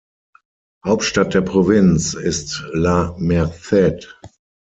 Hauptstadt der Provinz ist La Merced.